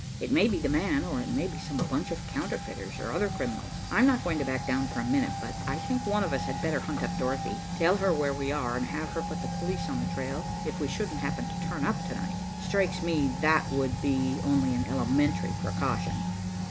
"It may be the man, or it may be some bunch of counterfeiters or other criminals. I'm not going to back down for a minute, but I think one of us had better hunt up Dorothy, tell her where we are, and have her put the police on the trail, if we shouldn't happen to turn up to night. Strikes me that that would be only an elementary precaution."